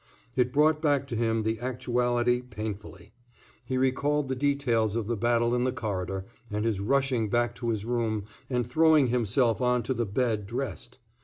It brought back to him the actuality painfully. He recalled the details of the battle in the corridor, and his rushing back to his room and throwing himself on to the bed dressed.